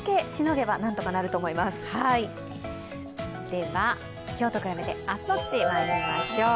では、今日と比べて明日どっちいきましょう。